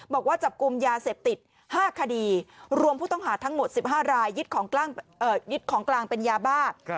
บอกว่าจับกลุ่มยาเสพติด๕คดีรวมผู้ต้องหาทั้งหมด๑๕รายยึดของกลางเป็นยาบ้า